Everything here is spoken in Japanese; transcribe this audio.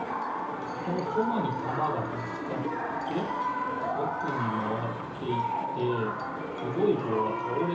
このコマにたまがぶつかっておくにまわっていってくろいぼうがたおれそうだな。